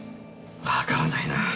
わからないなぁ。